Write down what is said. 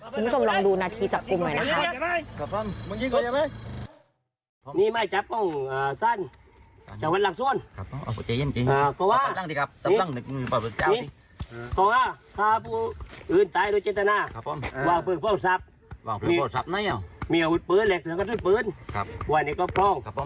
คุณผู้ชมลองดูนาทีจับกลุ่มหน่อยนะคะ